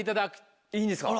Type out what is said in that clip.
いいんですか。